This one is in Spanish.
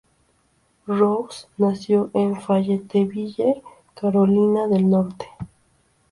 Rose nació en Fayetteville, Carolina del Norte.